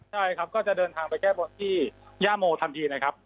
ใช่ครับก็จะเดินทางไปแก้บนที่ย่าโมทันทีนะครับ